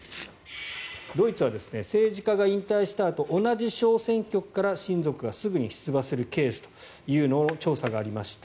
ドイツは政治家が引退したあと同じ小選挙区から親族がすぐに出馬するケースというのを調査がありました。